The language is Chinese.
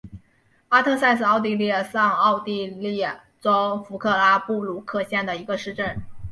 阿特塞是奥地利上奥地利州弗克拉布鲁克县的一个市镇。